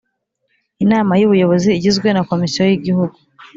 Inama y ubuyobozi igizwe na komisiyo y igihugu